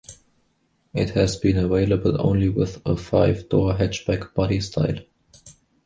It has been available only with a five-door hatchback body style.